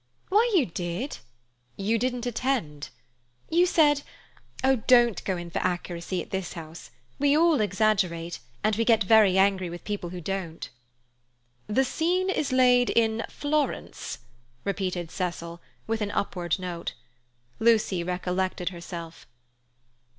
"Why, you did!" "You didn't attend." "You said—oh, don't go in for accuracy at this house. We all exaggerate, and we get very angry with people who don't." "'The scene is laid in Florence,'" repeated Cecil, with an upward note. Lucy recollected herself.